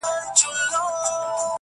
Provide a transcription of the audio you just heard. زما له ستوني سلامت سر دي ایستلی٫